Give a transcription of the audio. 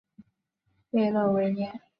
贝勒维涅。